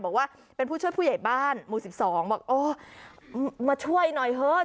บอกว่าเป็นผู้ช่วยผู้ใหญ่บ้านหมู่๑๒บอกโอ้มาช่วยหน่อยเถอะ